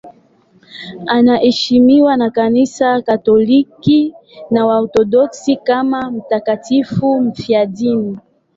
Anaheshimiwa na Kanisa Katoliki na Waorthodoksi kama mtakatifu mfiadini.